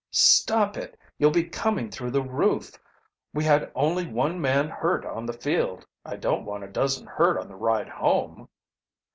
"Stop it; you'll be coming through the roof. We had only one man hurt on the field; I don't want a dozen hurt on the ride home."